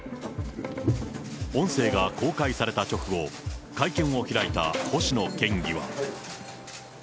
音声が公開された直後、会見を開いた星野県議は。